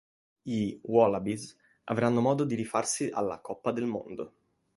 I "wallabies" avranno modo di rifarsi alla "Coppa del Mondo"